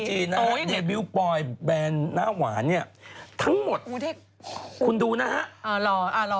หนุ่มหน้าหวานเนี่ยทั้งหมดคุณดูนะฮะอ่ารอ